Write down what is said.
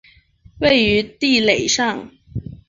位于地垒上。